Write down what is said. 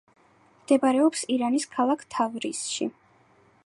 მდებარეობს ირანის ქალაქ თავრიზში.